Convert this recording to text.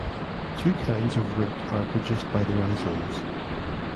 Two kinds of root are produced by the rhizomes.